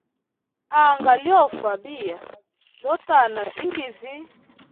Anga liofa biya, lyotana iginza.